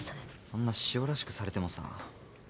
そんなしおらしくされてもさ。